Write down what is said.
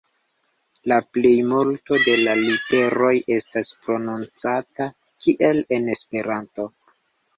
La plejmulto de la literoj estas prononcata kiel en Esperanto.